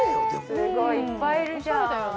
すごいいっぱいいるじゃん。